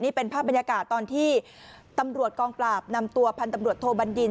นี่เป็นภาพบรรยากาศตอนที่ตำรวจกองปราบนำตัวพันธุ์ตำรวจโทบัญญิน